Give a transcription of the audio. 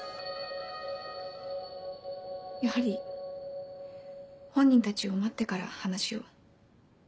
やはり本人たちを待ってから話を。